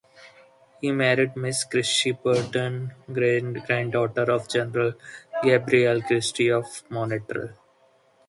He married Miss Christie-Burton, granddaughter of General Gabriel Christie, of Montreal.